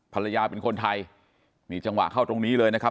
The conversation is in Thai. ภรรยาเป็นคนไทยนี่จังหวะเข้าตรงนี้เลยนะครับ